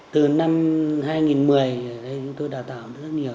từ năm hai nghìn một mươi tôi đào tạo rất nhiều